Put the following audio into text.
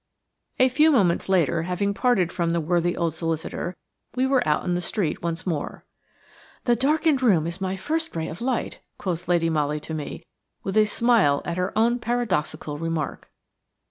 A few moments later, having parted from the worthy old solicitor, we were out in the street once more. "The darkened room is my first ray of light," quoth Lady Molly to me, with a smile at her own paradoxical remark.